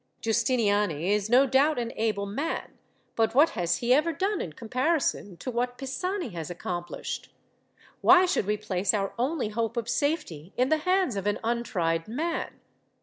"Giustiniani is no doubt an able man; but what has he ever done in comparison to what Pisani has accomplished? Why should we place our only hope of safety in the hands of an untried man?